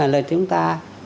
là chúng ta